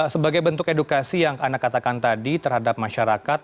sebagai bentuk edukasi yang anda katakan tadi terhadap masyarakat